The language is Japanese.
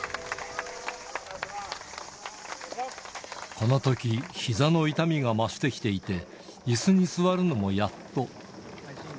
このとき、ひざの痛みが増してきていて、いすに座るのもやっと。